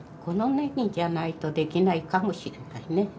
このネギじゃないとできないかもしれないね。